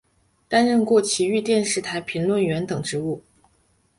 担任过崎玉电视台评论员等职务。